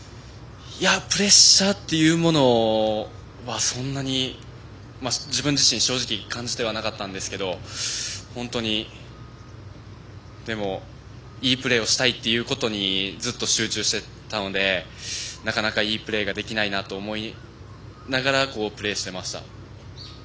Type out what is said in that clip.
プレッシャーというものはそんなに自分自身、正直感じてはいなかったんですけどいいプレーをしたいということにずっと集中していたのでなかなか、いいプレーができないなと思いながらプレーしてました。